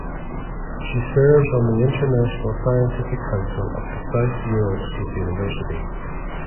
She serves on the International Scientific Council of the South Ural State University.